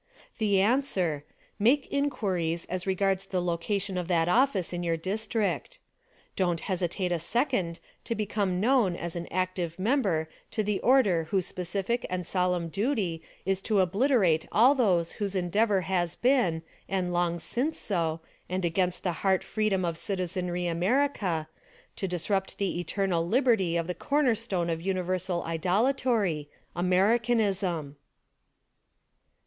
The answer: Make inquiries as regards the location of that office in your district. Don't hesitate a second to become known as an active member to the order whose specific and solemn duty is to obliterate all those whose endeavor has' been, and long since so, and against the heart freedom o^f citizenry America, to disrupt the eternal liberty of the cornerstone of universal idolatory — Ameri canism